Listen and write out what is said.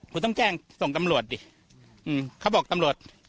คุณต้องแจ้งส่งตำรวจดิเขาบอกตำรวจ